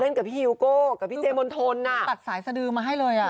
เล่นกับพี่ฮิวโก้กับพี่เจมส์มนต์ธนน่ะตัดสายสดือมาให้เลยอ่ะ